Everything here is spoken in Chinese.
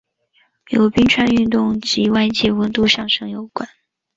由冰川运动及外界温度上升有关。